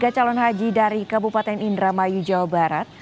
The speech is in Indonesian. dua ratus empat puluh tiga calon haji dari kabupaten indramayu jawa barat